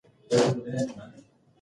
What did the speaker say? سايبر سپېس ته پښتو ورولئ.